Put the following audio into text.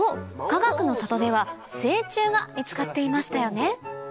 かがくの里では成虫が見つかっていましたよね